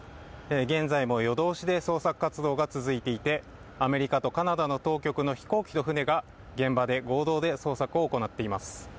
現在も夜通しで捜索活動が続いていてアメリカとカナダの当局の飛行機と船が現場で合同で捜索を行っています。